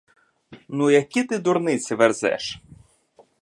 Ну які ти дурниці верзеш.